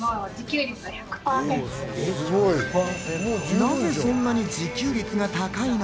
なぜそんなに自給率が高いの